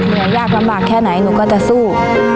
หนูยากลำบากแค่ไหนหนูก็จะสู้